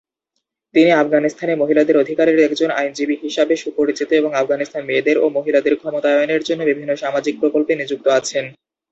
তিনি আফগানিস্তানে মহিলাদের অধিকারের একজন আইনজীবী হিসাবে সুপরিচিত এবং আফগানিস্তানে মেয়েদের ও মহিলাদের ক্ষমতায়নের জন্য বিভিন্ন সামাজিক প্রকল্পে নিযুক্ত আছেন।